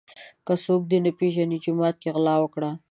ـ که څوک دې نه پیژني جومات کې غلا وکړه.